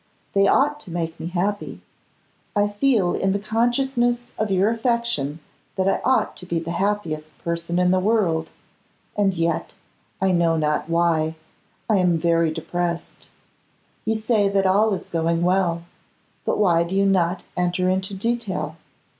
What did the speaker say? They ought to make me happy. I feel in the consciousness of your affection that I ought to be the happiest person in the world, and yet, I know not why, I am very depressed. You say that all is going well; but why do you not enter into detail?